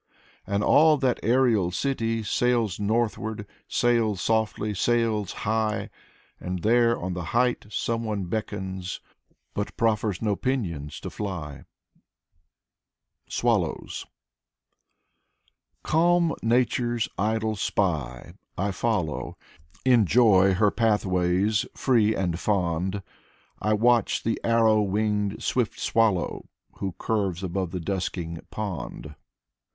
And all that aerial city Sails northward, sails softly, sails high; And there on the height, some one beckons, — But proffers no pinions to fly. 46 Afanasy /Shenshin Foeth SWALLOWS Calm Nature's idle spy, I follow In joy her pathways; free and fond, I watch the arrow winged swift swallow Who curves above the dusking pond.